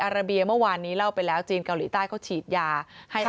ราเบียเมื่อวานนี้เล่าไปแล้วจีนเกาหลีใต้เขาฉีดยาให้